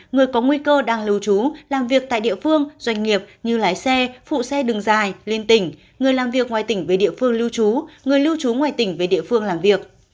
người có nguy cơ đang lưu trú làm việc tại địa phương doanh nghiệp như lái xe phụ xe đường dài liên tỉnh người làm việc ngoài tỉnh về địa phương lưu trú người lưu trú ngoài tỉnh về địa phương làm việc